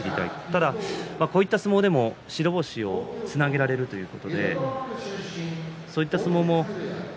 こういった相撲でも白星をつなげられるということでこういった相撲も。